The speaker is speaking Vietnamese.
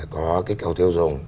có kích cầu tiêu dùng